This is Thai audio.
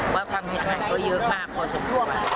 ว่าความเสียหายก็เยอะมากพอสมควร